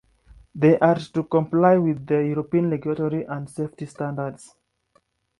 They are to comply with the European regulatory and safety standards.